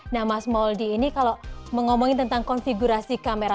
nah mas mouldie ini kalau mengomongin tentang konfigurasi kamera